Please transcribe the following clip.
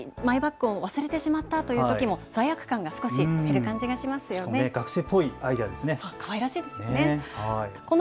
ついマイバッグを忘れてしまったというときも罪悪感が少し減る感じがしますね。